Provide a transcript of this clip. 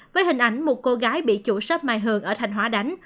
với hình ảnh một cô gái bị chủ sếp mai hường ở thành hóa đánh